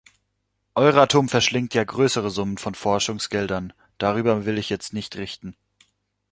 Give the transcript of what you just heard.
Euratom verschlingt ja größere Summen von Forschungsgeldern, darüber will ich jetzt nicht richten.